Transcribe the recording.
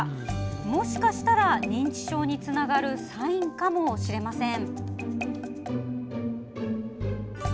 もしかしたら認知症につながるサインかもしれません。